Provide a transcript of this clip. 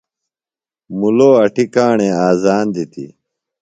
مُلو اٹیۡ کاݨے آذان دِتیۡ۔